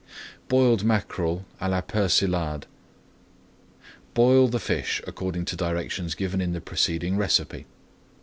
BOILED MACKEREL À LA PERSILLADE Boil the fish according to directions given in the preceding recipe.